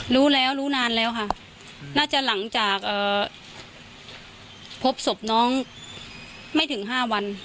รู้แล้วรู้นานแล้วค่ะน่าจะหลังจากพบศพน้องไม่ถึง๕วัน